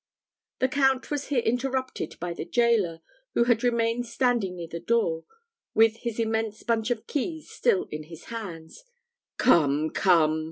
The Count was here interrupted by the gaoler, who had remained standing near the door, with his immense bunch of keys still in his hands. "Come, come!"